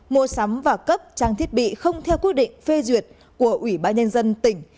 mua sắm và cấp trang thiết bị không theo quy định phê duyệt của ủy ban nhân dân tỉnh